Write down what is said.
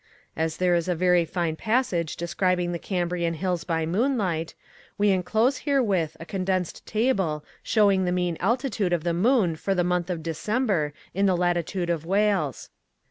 As there is a very fine passage describing the Cambrian Hills by moonlight, we enclose herewith a condensed table showing the mean altitude of the moon for the month of December in the latitude of Wales.